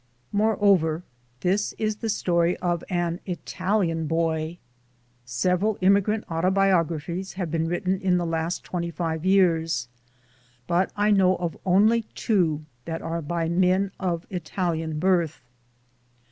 Moreover, this is the story of an Italian boy. Several immigrant autobiographies have been writ ten in the last twenty five years, but I know of only two that are by men of Italian birth.